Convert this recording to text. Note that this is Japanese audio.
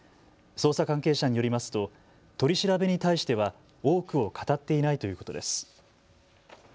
捜査関係者によりますと取り調べに対しては多くを語っていないということです。